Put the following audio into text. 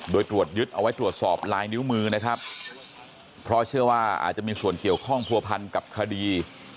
โดยตรวจยึดเอาไว้ตรวจสอบลายนิ้วมือนะครับเพราะเชื่อว่าอาจจะมีส่วนเกี่ยวข้องผัวพันกับคดี